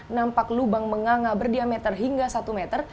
nampak lubang menganga berdiameter hingga satu meter